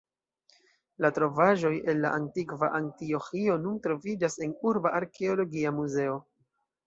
La trovaĵoj el la antikva Antioĥio nun troviĝas en urba arkeologia muzeo.